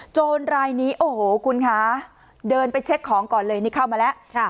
รายนี้โอ้โหคุณคะเดินไปเช็คของก่อนเลยนี่เข้ามาแล้ว